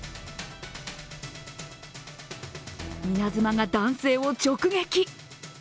稲妻が男性を直撃。